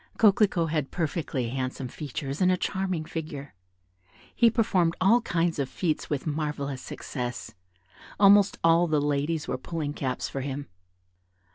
Coquelicot had perfectly handsome features and a charming figure. He performed all kinds of feats with marvellous success; almost all the ladies were pulling caps for him.